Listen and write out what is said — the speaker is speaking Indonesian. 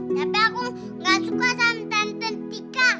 tapi aku gak suka sama tante tika